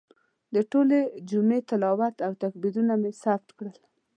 د ټولې جمعې تلاوت او تکبیرونه مې ثبت کړل.